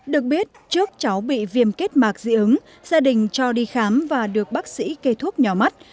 được biết trước cháu bị viêm kết mạc dị ứng gia đình cho đi khám và được bác sĩ kê thuốc nhỏ mắt